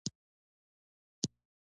تاریخ د خپل کرښې نه تیریږي.